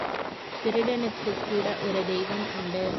திருடனுக்குக் கூட ஒரு தெய்வம் உண்டு.